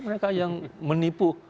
mereka yang menipu